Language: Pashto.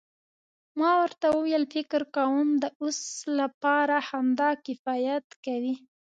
ما ورته وویل فکر کوم د اوس لپاره همدا کفایت کوي.